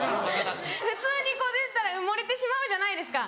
普通に出てたら埋もれてしまうじゃないですか。